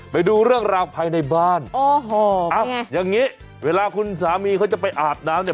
ไปดูเรื่องราวภายในบ้านอ้าวอย่างนี้เวลาคุณสามีเขาจะไปอาบน้ำ